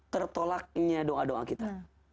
tertolaknya doa doa kita